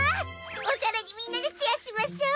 オシャレにみんなでシェアしましょう。